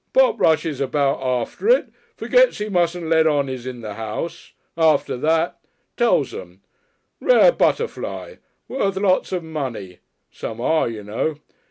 "Pop rushes about after it. Forgets he mustn't let on he's in the house. After that . Tells 'em. Rare butterfly, worth lots of money. Some are, you know.